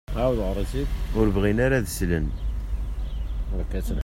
Ur bɣin ara ad d-slen.